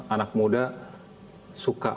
anak muda suka